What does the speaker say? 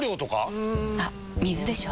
うん。あっ水でしょ。